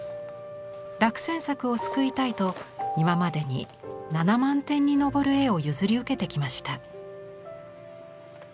落選作を救いたいと今までに７万点に上る絵を譲り受けてきました。